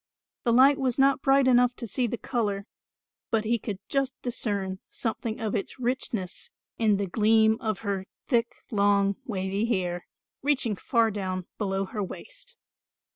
The light was not bright enough to see the colour, but he could just discern something of its richness in the gleam of her thick long wavy hair, reaching far down below her waist.